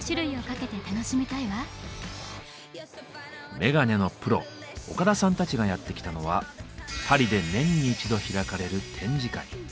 メガネのプロ岡田さんたちがやってきたのはパリで年に一度開かれる展示会。